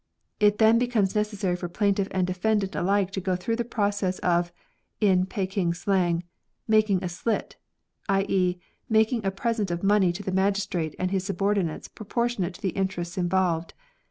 It then becomes necessary for plaintiff and defendant alike to go through the process of (in Peking slang) *' making a slit," i.e., making a present of money to the magistrate and his subordinates proportionate to the interests involved.